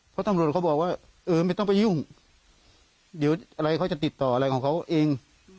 เพราะตำรวจเขาบอกว่าเออไม่ต้องไปยุ่งเดี๋ยวอะไรเขาจะติดต่ออะไรของเขาเอง